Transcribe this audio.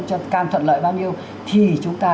cho càng thuận lợi bao nhiêu thì chúng ta